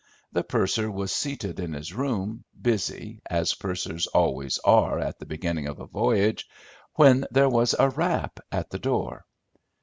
The purser was seated in his room, busy, as pursers always are at the beginning of a voyage, when there was a rap at the door.